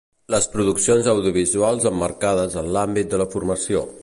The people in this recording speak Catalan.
Les produccions audiovisuals emmarcades en l'àmbit de la formació.